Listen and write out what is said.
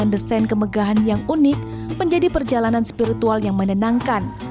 desain kemegahan yang unik menjadi perjalanan spiritual yang menenangkan